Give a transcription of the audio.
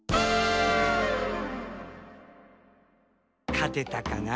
かてたかな？